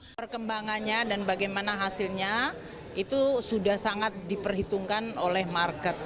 perkembangannya dan bagaimana hasilnya itu sudah sangat diperhitungkan oleh market